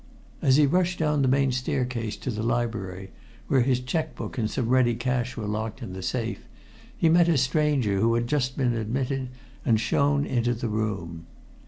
As he rushed down the main staircase to the library, where his check book and some ready cash were locked in the safe, he met a stranger who had just been admitted and shown into the room.